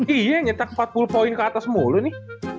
iya nyetak empat puluh poin ke atas mulu nih